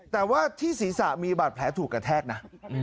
แต่ว่าที่ศีรษะมีบาดแผลถูกกระแทกนะ